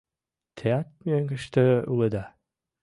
— Теат мӧҥгыштӧ улыда?